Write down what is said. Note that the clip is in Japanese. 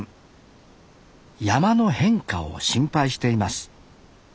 山の変化を心配しています